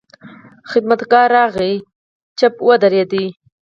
خدمتګار راغی، غلی ودرېد.